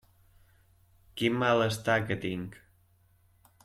Quin malestar que tinc!